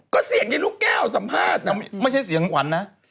ก็เสียงในลูกแก้วสัมภาษณ์ไม่ใช่เสียงขวัญนะ